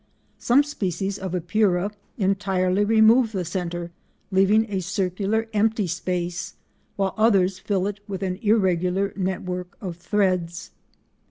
Some species of Epeira entirely remove the centre, leaving a circular empty space, while others fill it with an irregular network of threads.